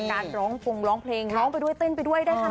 ในการร้องฟุงร้องเพลงร้องไปด้วยตื่นไปด้วยได้ค่ะ